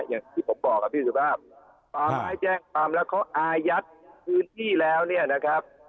อย่างที่ผมบอกกับพี่สุภาพป่าไม้แจ้งความแล้วเขาอายัดพื้นที่แล้วเนี่ยนะครับ